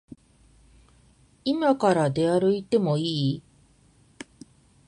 いまから出歩いてもいい？